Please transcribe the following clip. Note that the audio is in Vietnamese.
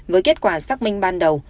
với kết quả xác minh ban đầu